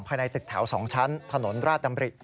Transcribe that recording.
ภายในตึกแถว๒ชั้นถนนราชดำริ